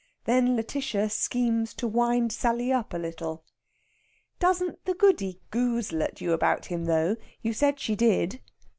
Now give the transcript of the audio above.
Then Lætitia schemes to wind Sally up a little. "Doesn't the Goody goozle at you about him, though? You said she did."